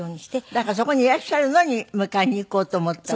だからそこにいらっしゃるのに迎えに行こうと思ったって。